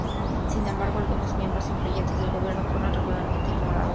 Sin embargo, algunos miembros influyentes del gobierno fueron regularmente ignorados.